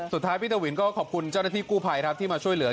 สุดท้ายพี่ทวินก็ขอบคุณเจ้าหน้าที่กู้ภัยครับที่มาช่วยเหลือ